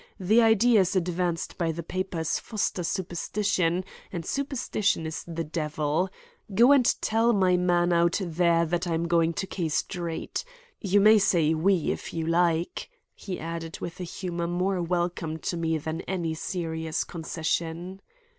The ideas advanced by the papers foster superstition; and superstition is the devil. Go and tell my man out there that I am going to K Street. You may say 'we' if you like," he added with a humor more welcome to me than any serious concession.